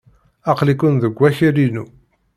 Aql-iken deg wakal-inu.